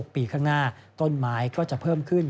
ปีข้างหน้าต้นไม้ก็จะเพิ่มขึ้น